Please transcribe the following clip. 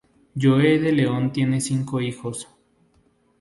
Joey de León tiene cinco hijos.